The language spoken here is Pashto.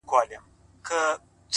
مستي- مستاني- سوخي- شنګي د شرابو لوري-